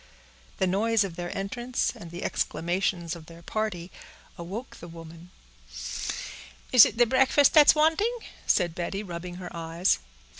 The noise of their entrance, and the exclamations of their party, awoke the woman. "Is it the breakfast that's wanting?" said Betty, rubbing her eyes.